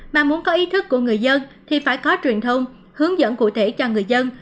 mà muốn có ý thức của người dân thì phải có truyền thông hướng dẫn cụ thể cho người dân